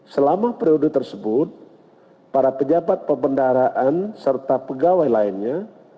selama periode tersebut para pejabat pembendaraan serta pegawai lainnya